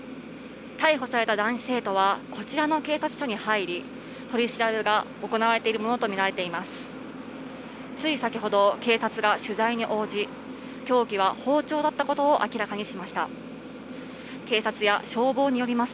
逮捕された男子生徒はこちらの警察署に入り、取り調べが行われているものとみられています。